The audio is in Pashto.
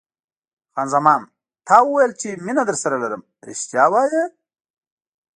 خان زمان: تا وویل چې مینه درسره لرم، رښتیا وایې؟